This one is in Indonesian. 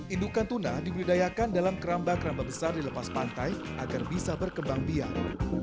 indukan tuna digudidayakan dalam keramba keramba besar dilepas pantai agar bisa berkembang biar